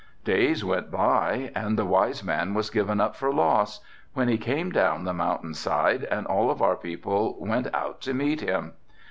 Days went by and the wise man was given up for lost, when he came down the mountain side and all of our people went out to meet him.